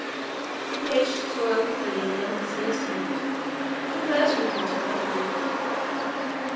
He pitched his royal pavilion near the vizier's tent, and conversed with him till midnight.